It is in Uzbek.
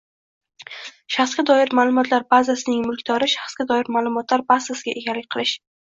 shaxsga doir ma’lumotlar bazasining mulkdori — shaxsga doir ma’lumotlar bazasiga egalik qilish